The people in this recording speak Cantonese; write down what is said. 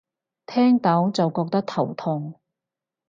聽到就覺得頭痛